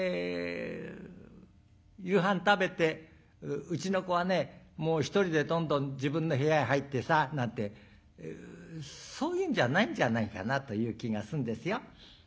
「夕飯食べてうちの子はねもう１人でどんどん自分の部屋へ入ってさ」なんてそういうんじゃないんじゃないかなという気がするんですよ。